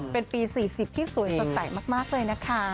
เป็นปี๔๐ที่สวยสดใสมากเลยนะคะ